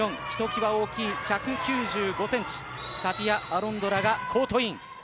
ひときわ大きい１９５ｃｍタピア・アロンドラがコートイン。